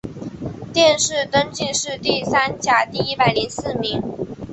殿试登进士第三甲第一百零四名。